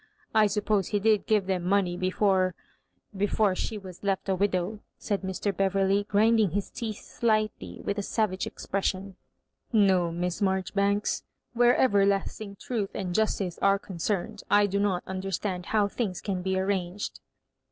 I suppose he did give them money before — before she was left a widow," said Mr. Bever ley, grinding his teeth slightly with a savage expression. "No, Miss Marjoribanks. Where everlasting truth and justice are concerned, I do not understand how things can be arranged."